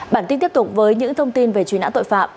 bản tin tiếp tục với những thông tin về truy nã tội phạm